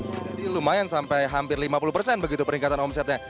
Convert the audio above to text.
jadi lumayan sampai hampir lima puluh persen begitu peningkatan omsetnya